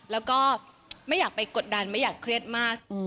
แล้วก็ไม่อยากไปกดดันไม่อยากเครียดมาก